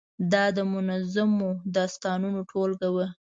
دا د منظومو داستانو ټولګه وه.